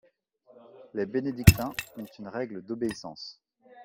Les bénédictins ont une règle d'obéissance.